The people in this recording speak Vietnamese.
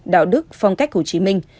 đạo đức phong cách hồ chí minh